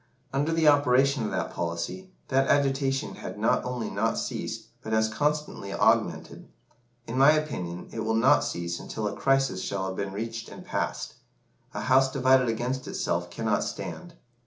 Under the operation of that policy, that agitation had not only not ceased, but has constantly augmented. In my opinion, it will not cease until a crisis shall have been reached and passed. 'A house divided against itself cannot stand.